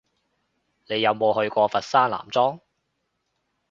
你有冇去過佛山南莊？